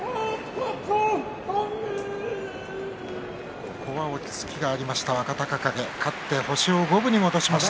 ここは落ち着きがありました若隆景、星を五分に戻しました。